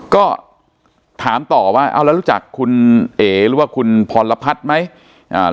ก็ถามต่อว่าเอาแล้วรู้จักคุณเอ๋หรือว่าคุณพรพัฒน์ไหม